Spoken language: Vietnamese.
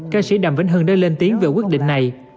ca sĩ đàm vĩnh hưng đã lên tiếng về quyết định này